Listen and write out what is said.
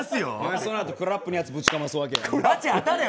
そのあとクラップのやつぶちかますわけや。